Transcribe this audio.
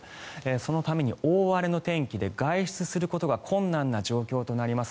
そのために大荒れの天気で外出することが困難な状況となります。